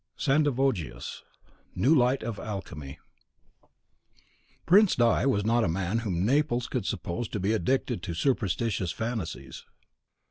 Sandivogius, "New Light of Alchymy." The Prince di was not a man whom Naples could suppose to be addicted to superstitious fancies.